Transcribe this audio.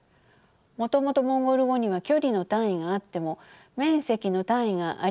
もともとモンゴル語には距離の単位があっても面積の単位がありませんでした。